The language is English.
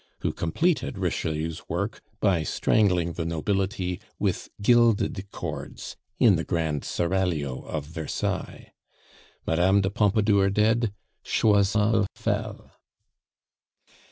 who completed Richelieu's work by strangling the nobility with gilded cords in the grand Seraglio of Versailles. Madame de Pompadour dead, Choiseul fell!